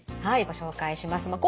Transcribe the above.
はいご紹介します。